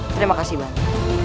terima kasih banyak